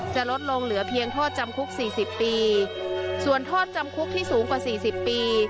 จะลดลงเหลือเพียงโทษจำคุกสี่สิบปีส่วนโทษจำคุกที่สูงกว่าสี่สิบปี